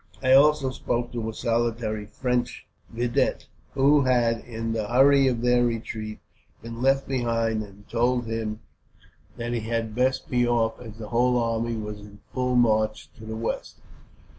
"I also spoke to a solitary French vidette who had, in the hurry of their retreat, been left behind; and told him that he had best be off, as the whole army was in full march for the west."